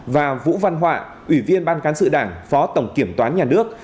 và vũ văn họa ủy viên ban cán sự đảng phó tổng kiểm toán nhà nước